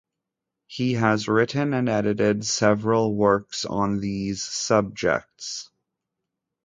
He has written and edited several works on these subjects.